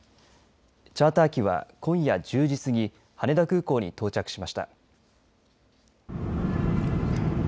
チャーター機は、今夜１０時過ぎ羽田空港に到着しました。